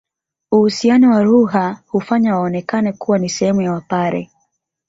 Uhusiano wa lugha hufanya waonekane kuwa ni sehemu ya Wapare